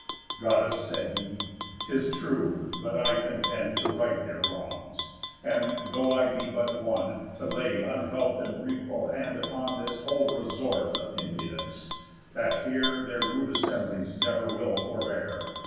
"Goddess," said he, "'tis true; but I contend To right their wrongs, and, though I be but one, To lay unhelp'd and wreakful hand upon This whole resort of impudents, that here Their rude assemblies never will forbear.